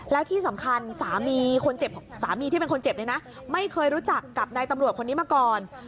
และที่สำคัญสามีที่เป็นคนเจ็บนั้นไม่เคยรู้จักกับนายตำรวจคนนี้มาก่อน